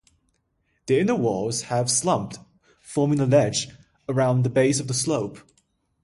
The inner walls have slumped, forming a ledge around the base of the slope.